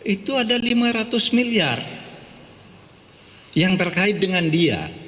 itu ada lima ratus miliar yang terkait dengan dia